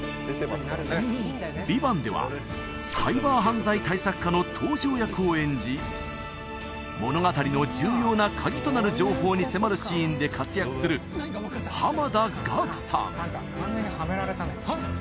「ＶＩＶＡＮＴ」ではサイバー犯罪対策課の東条役を演じ物語の重要なカギとなる情報に迫るシーンで活躍する濱田岳さんあんた完全にはめられたね